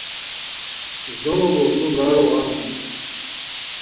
زومو بوغدو برارو غم